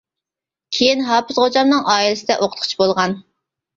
كېيىن ھاپىز غوجامنىڭ ئائىلىسىدە ئوقۇتقۇچى بولغان.